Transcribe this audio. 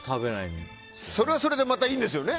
それは、それでまたいいんですよね。